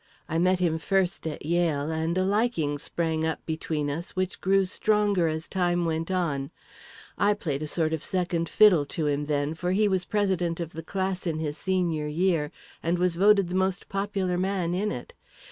I met him first at Yale, and a liking sprang up between us, which grew stronger as time went on. I played a sort of second fiddle to him, then, for he was president of the class in his senior year and was voted the most popular man in it.